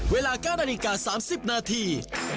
เวลาการอนิกา๓๐นาที